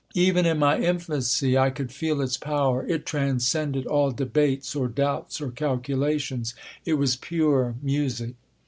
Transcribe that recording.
Even in my infancy I could feel its power. It transcended all debates, or doubts, or calculations: it was pure music.